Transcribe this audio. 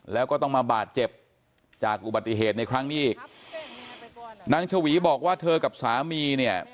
แล้วก็ต้องมาบาดเจ็บจากอุบัติเหตุในครั้งนี้อีกนางชวีบอกว่าเธอกับสามีเนี่ย